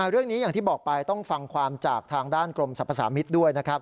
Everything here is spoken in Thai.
เรื่องนี้อย่างที่บอกไปต้องฟังความจากทางด้านกรมสรรพสามิตรด้วย